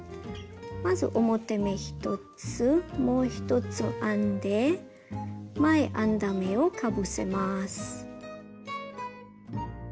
まず表目１つもう一つ編んで前編んだ目をかぶせます。